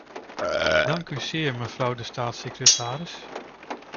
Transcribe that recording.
Dank u zeer, mevrouw de staatssecretaris.